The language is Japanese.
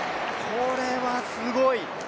これはすごい！